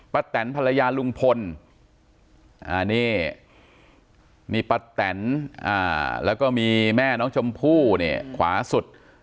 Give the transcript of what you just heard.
พระแตนภรรยารุงฝนต์แล้วก็มีแม่น้องชมพูเนี่ยขวาสุด